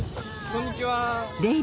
こんにちは。